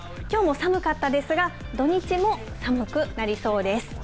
きょうも寒かったですが、土日も寒くなりそうです。